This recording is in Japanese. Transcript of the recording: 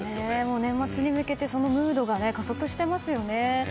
年末に向けてそのムードが加速していますよね。